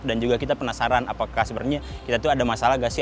dan juga kita penasaran apakah sebenarnya kita tuh ada masalah gak sih